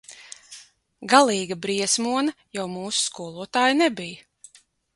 Galīga briesmone jau mūsu skolotāja nebija.